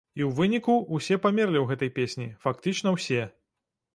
І ў выніку ўсе памерлі ў гэтай песні, фактычна ўсе.